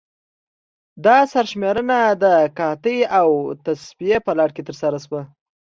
دا سرشمېرنه د قحطۍ او تصفیې په لړ کې ترسره شوه.